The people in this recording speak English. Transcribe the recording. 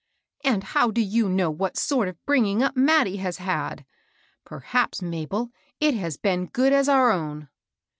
" And how do you know what sort of a bring ing up Mattie has had ? Perhaps, Mabel, it has been good as our own.